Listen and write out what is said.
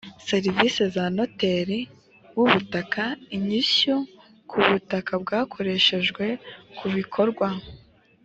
serivisi za noteri w ubutaka inyishyu ku butaka bwakoreshejwe ku bikorwa